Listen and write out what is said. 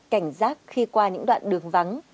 cảnh sát khi qua những đoạn đường vắng